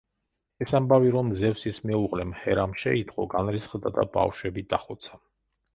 ეს ამბავი რომ ზევსის მეუღლემ, ჰერამ შეიტყო, განრისხდა და ბავშვები დახოცა.